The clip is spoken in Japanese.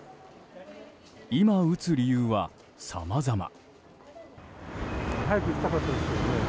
今打つ理由はさまざま。